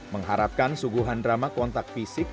mengharapkan suguhan drama kontak fisik